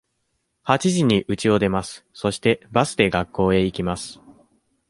八時にうちを出ます。そして、バスで学校へ行きます。